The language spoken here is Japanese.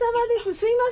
すいません